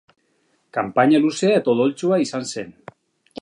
Kanpaina luzea eta odoltsua izan zen.